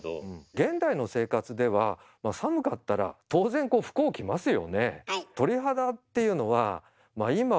現代の生活では寒かったら当然こう服を着ますよね？